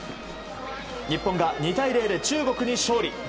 日本が２対０で中国に勝利。